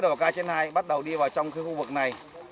đồ ca trên hai bắt đầu đi vào trong khu vực này